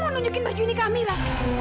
kamu mau tunjukin baju ini ke amira